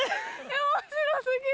面白過ぎる。